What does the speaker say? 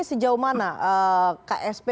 sejauh mana ksp